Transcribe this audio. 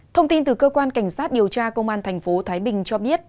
thông tin từ cơ quan cảnh sát điều tra công an tp thái bình cho biết